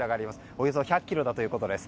およそ１００ｋｇだということです。